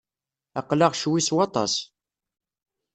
Aql-aɣ ccwi s waṭas.